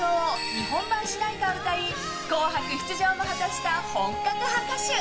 日本版主題歌を歌い「紅白」出場も果たした本格派歌手。